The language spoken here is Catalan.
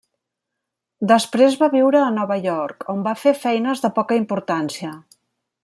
Després va viure a Nova York, on va fer feines de poca importància.